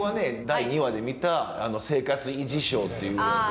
第２話で見た「生活維持省」っていうやつで。